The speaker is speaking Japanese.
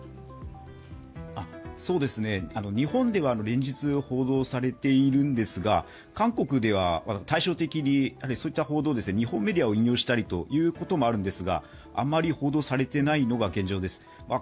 日本では連日報道されているんですが、韓国では対照的にそういった報道、日本メディアを引用したりということもあるんですが、あまり報道されていないのが現状です。